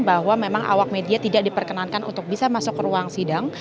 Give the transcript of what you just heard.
bahwa memang awak media tidak diperkenankan untuk bisa masuk ke ruang sidang